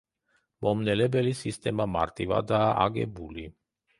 მომნელებელი სისტემა მარტივადაა აგებული.